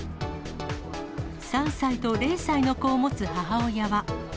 ３歳と０歳の子を持つ母親は。